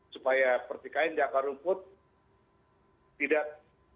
supaya pertikaian jakarta rumput tidak